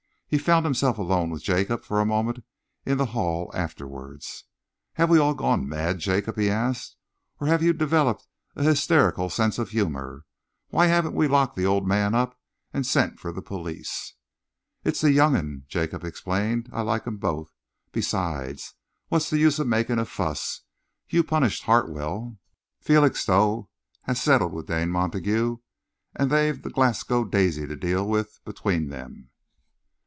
He found himself alone with Jacob for a moment in the hall afterwards. "Have we all gone mad, Jacob?" he asked. "Or have you developed an hysterical sense of humour? Why haven't we locked the old man up and sent for the police?" "It's the young 'un," Jacob explained. "I like 'em both. Besides, what's the use of making a fuss? You've punished Hartwell, Felixstowe has settled with Dane Montague, and they've the Glasgow Daisy to deal with between them."